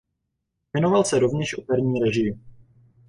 Věnoval se rovněž operní režii.